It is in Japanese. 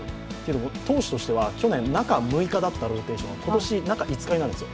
投手としては去年中６日だったローテーションが今年、中５日になるんですよ。